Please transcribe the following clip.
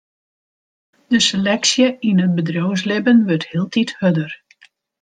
De seleksje yn it bedriuwslibben wurdt hieltyd hurder.